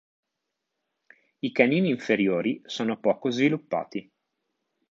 I canini inferiori sono poco sviluppati.